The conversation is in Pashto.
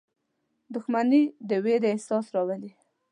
• دښمني د ویرې احساس راولي.